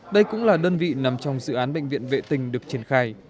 đây cũng là đơn vị nằm trong dự án bệnh viện vệ tình được triển khai